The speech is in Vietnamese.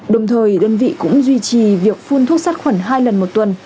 đồng thời đơn vị cũng duy trì việc phun thuốc sắt khoảng hai lần một tuần